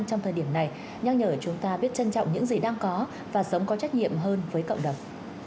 trong thời điểm này nhắc nhở chúng ta biết trân trọng những gì đang có và sống có trách nhiệm hơn với cộng đồng